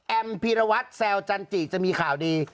พีรวัตรแซวจันจิจะมีข่าวดี